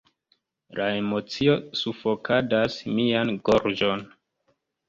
La emocio sufokadas mian gorĝon.